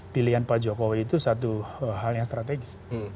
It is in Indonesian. pilihan pak jokowi itu satu hal yang strategis